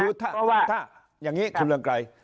คือถ้าอย่างนี้คุณเรืองไกร